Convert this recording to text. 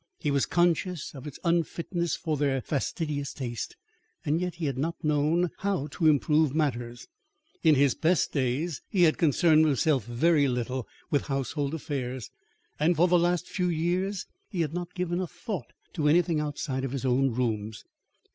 He was conscious of its unfitness for their fastidious taste and yet he had not known how to improve matters. In his best days he had concerned himself very little with household affairs, and for the last few years he had not given a thought to anything outside his own rooms.